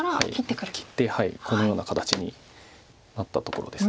切ってこのような形になったところです。